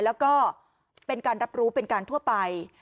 แล้วก็เป็นการรับรู้เป็นการทั่วไป